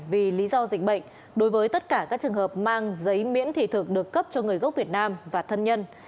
vì lý do dịch bệnh đối với tất cả các trường hợp mang giấy miễn thị thực được cấp cho người gốc việt nam và thân nhân